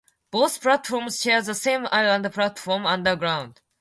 Both platforms share the same island platform underground.